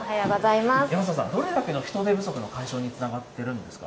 山下さん、どれだけの人手不足の解消につながってるんですか？